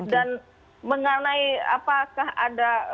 dan mengenai apakah ada